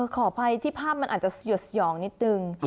ขออภัยที่ภาพมันอาจจะสยดสยองนิดนึง